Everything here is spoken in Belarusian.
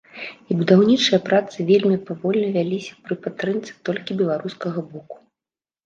І будаўнічыя працы вельмі павольна вяліся пры падтрымцы толькі беларускага боку.